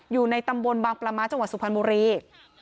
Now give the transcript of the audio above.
อยู่ในตำบลบางปลาม้าจังหวัดสุพรรณบุรี